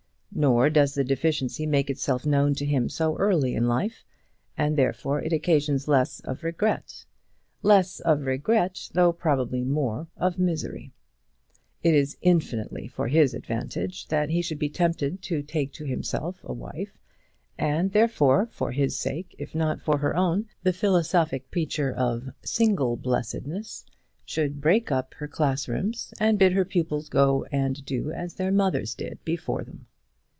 Nor does the deficiency make itself known to him so early in life, and therefore it occasions less of regret, less of regret, though probably more of misery. It is infinitely for his advantage that he should be tempted to take to himself a wife; and, therefore, for his sake if not for her own, the philosophic preacher of single blessedness should break up her class rooms, and bid her pupils go and do as their mothers did before them.